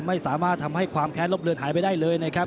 ไม่สามารถทำให้ความแค้นลบเลือนหายไปได้เลยนะครับ